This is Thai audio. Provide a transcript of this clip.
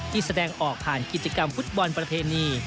แสดงออกผ่านกิจกรรมฟุตบอลประเพณี